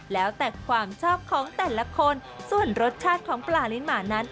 แล้วแต่ความชอบของแต่ละคนส่วนรสชาติของปลาลิ้นหมานั้น